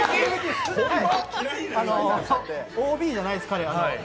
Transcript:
ＯＢじゃないです、彼は。